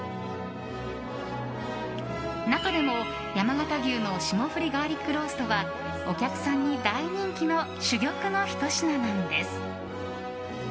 中でも、山形牛の霜降りガーリックローストはお客さんに大人気の珠玉のひと品なんです。